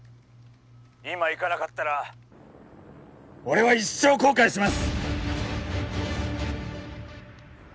今行かなかったら俺は一生後悔します